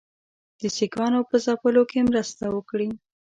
د سیکهانو په ځپلو کې مرسته وکړي.